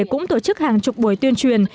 cũng tổ chức hàng chục buổi tuyên truyền